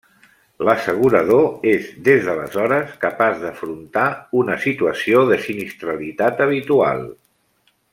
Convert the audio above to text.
L'assegurador és des d'aleshores capaç d'afrontar una situació de sinistralitat habitual.